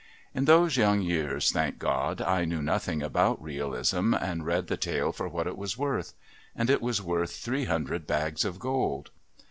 In those young years, thank God, I knew nothing about realism and read the tale for what it was worth. And it was worth three hundred bags of gold.